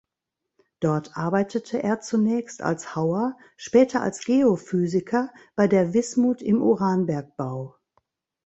Dort arbeitete er zunächst als Hauer, später als Geophysiker bei der Wismut im Uranbergbau.